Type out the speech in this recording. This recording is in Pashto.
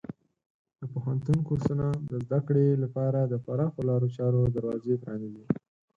د پوهنتون کورسونه د زده کړې لپاره د پراخو لارو چارو دروازه پرانیزي.